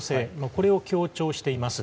これを強調しています。